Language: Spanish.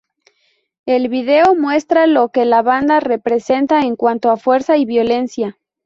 El video muestra lo que la banda representa en cuanto a fuerza y violencia.